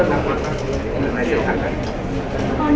แต่โฟกัสก็เลยมาที่นอง